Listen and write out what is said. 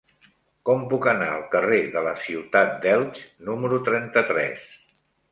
Com puc anar al carrer de la Ciutat d'Elx número trenta-tres?